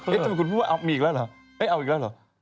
ทำไมคุณพูดว่าเอามีอีกแล้วเหรอเอาอีกแล้วเหรอ